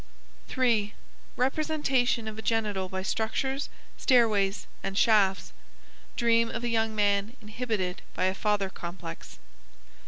3. Representation of the genital by structures, stairways, and shafts. (Dream of a young man inhibited by a father complex.)